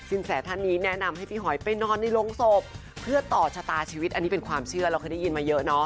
เราเคยได้ยินมาเยอะเนาะ